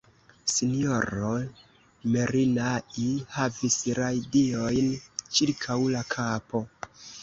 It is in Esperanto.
S-ro Merinai havis radiojn ĉirkaŭ la kapo.